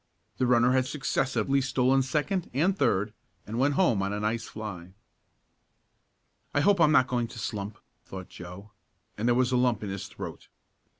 The runner had successively stolen second and third, and went home on a nice fly. "I hope I'm not going to slump!" thought Joe and there was a lump in his throat.